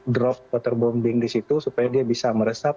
drop waterbombing di situ supaya dia bisa meresap